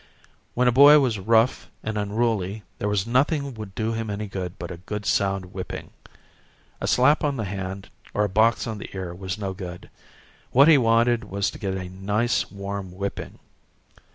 When a boy was rough and unruly there was nothing would do him any good but a good sound whipping. A slap on the hand or a box on the ear was no good: what he wanted was to get a nice warm whipping.